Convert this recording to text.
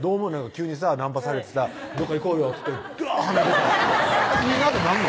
急にさナンパされてさ「どっか行こうよ」っつってダーッ鼻血いいなってなんの？